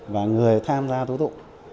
và người tham gia tố thụ